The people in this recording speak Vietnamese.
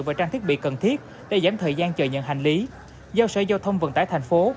và trang thiết bị cần thiết để giảm thời gian chờ nhận hành lý giao sở giao thông vận tải thành phố